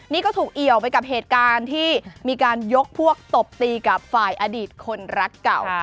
นี่ก็ถูกเอี่ยวไปกับเหตุการณ์ที่มีการยกพวกตบตีกับฝ่ายอดีตคนรักเก่า